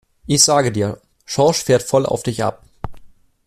Ich sage dir, Schorsch fährt voll auf dich ab!